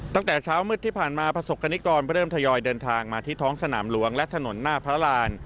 ตั้งแต่เช้ามืดที่ผ่านมาประสบกรณิกรเริ่มทยอยเดินทางมาที่ท้องสนามหลวงและถนนหน้าพระราน